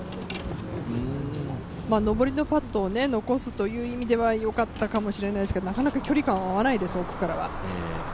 上りのパットを残すという意味ではよかったかと思うんですがなかなか距離感は合わないです、奥からは。